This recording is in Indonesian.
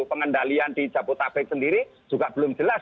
pengendalian di jabodetabek sendiri juga belum jelas